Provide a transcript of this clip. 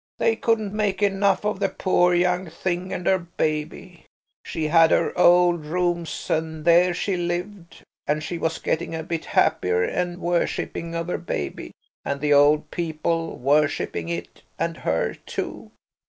They couldn't make enough of the poor young thing and her baby. She had her old rooms and there she lived, and she was getting a bit happier and worshipping of her baby and the old people worshipping it and her too.